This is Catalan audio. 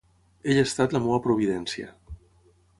Ell ha estat la meva providència.